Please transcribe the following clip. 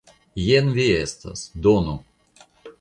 Jen vi estas; donu!